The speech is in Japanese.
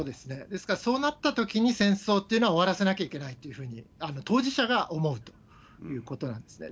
ですからそうなったときに戦争というのは終わらせなきゃいけないというふうに、当事者が思うということなんですね。